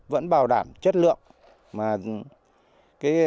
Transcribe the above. vẫn bảo đảm chất lượng